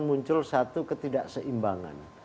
muncul satu ketidakseimbangan